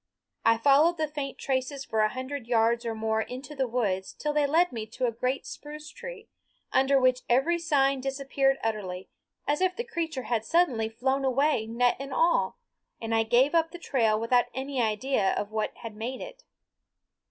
I followed the faint traces for a hundred yards or more into the woods till they led me to a great spruce tree, under which every sign disappeared utterly, as if the creature had suddenly flown away net and all, and I gave up the trail without any idea of what had made it.